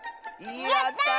やった！